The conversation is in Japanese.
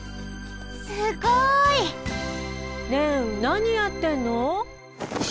すごい！ねえなにやってんの？